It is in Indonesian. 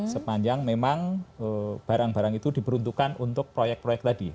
sepanjang memang barang barang itu diperuntukkan untuk proyek proyek tadi